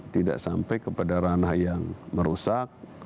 tidak sampai kepada ranah yang merusak